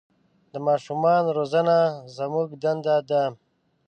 د ماشومان روزنه زموږ دنده ده.